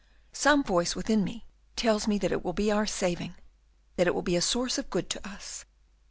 Some voice within me tells me that it will be our saving, that it will be a source of good to us."